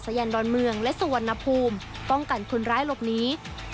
ยานดอนเมืองและสุวรรณภูมิป้องกันคนร้ายหลบหนี